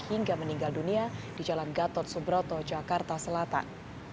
hingga meninggal dunia di jalan gatot subroto jakarta selatan